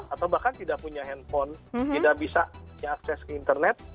atau bahkan tidak punya handphone tidak bisa diakses ke internet